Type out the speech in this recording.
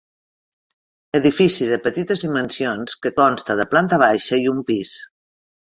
Edifici de petites dimensions que consta de planta baixa i un pis.